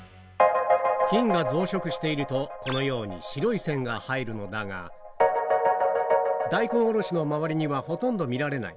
菌が増殖していると、このように白い線が入るのだが、大根おろしの周りにはほとんど見られない。